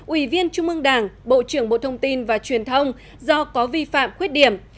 ủy viên trung ương đảng bộ trưởng bộ thông tin và truyền thông do có vi phạm khuyết điểm